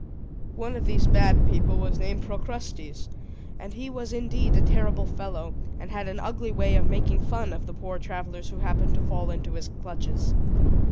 One of these bad people was named Procrustes; and he was indeed a terrible fellow, and had an ugly way of making fun of the poor travelers who happened to fall into his clutches.